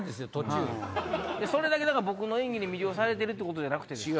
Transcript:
それだけ僕の演技に魅了されてるってことじゃなくてですか？